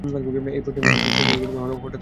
এ প্রশ্নে শশী হঠাৎ রাগিয়া গেল।